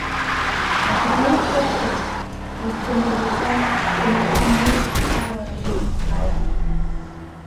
А кузе от воштыл — Ушдымо-Юхан кенета мыйс хӓрра лийын кая!